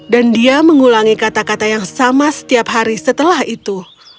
dan dia mengulangi kata kata yang sama setiap hari setelah itu